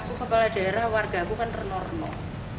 aku kepala daerah warga aku kan renor renor